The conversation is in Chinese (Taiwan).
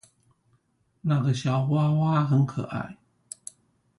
那個小娃娃很可愛